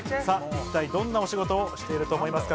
一体どんなお仕事をしていると思いますか？